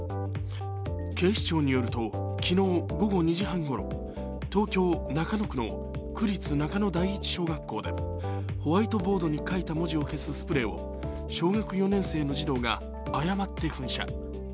警視庁によると、昨日午後２時半ごろ、東京・中野区の区立中野第一小学校でホワイトボードに書いた文字を消すスプレーを小学４年生の児童が誤って噴射。